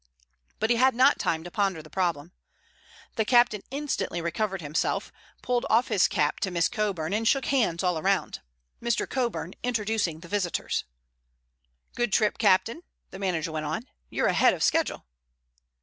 But he had not time to ponder the problem. The captain instantly recovered himself, pulled off his cap to Miss Coburn and shook hands all round, Mr. Coburn introducing the visitors. "Good trip, captain?" the manager went on. "You're ahead of schedule."